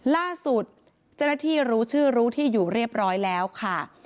ล่าสุดเจ้าหน้าที่รู้ชื่อรู้ที่อยู่เรียบร้อยแล้วค่ะ